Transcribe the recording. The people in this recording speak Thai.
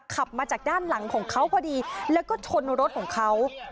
ขับมาจากด้านหลังของเขาพอดีแล้วก็ชนรถของเขา